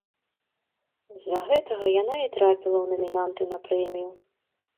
З-за гэтага яна і трапіла ў намінанты на прэмію.